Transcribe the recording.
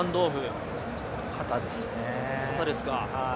肩ですね。